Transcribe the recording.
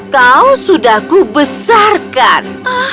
kau sudah kubesarkan